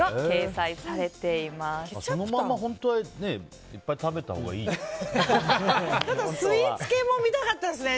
そのまま本当は、いっぱい食べたほうがいいんだよね。